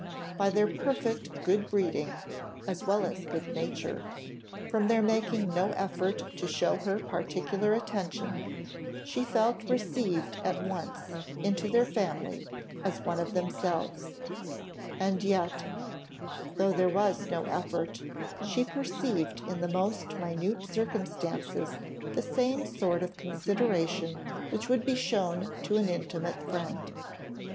By their perfect good breeding, as well as good nature, from their making no effort to show her particular attention, she felt received at once into their family as one of themselves; and yet, though there was no effort, she perceived in the most minute circumstances the same sort of consideration which would be shown to an intimate friend.